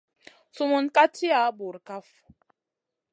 Sumun ka tiya bura kaf.